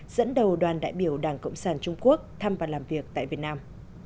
dẫn đầu đoàn đại biểu đảng cộng sản trung quốc thăm và làm việc tại việt nam